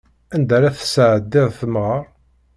Anda ara tesɛeddiḍ temɣeṛ?